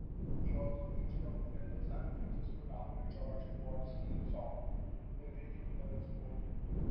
He also featured on fellow San Francisco Rapper George Watsky's song Everything Turns Gold.